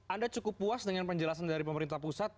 anda cukup puas dengan penjelasan dari pemerintah pusat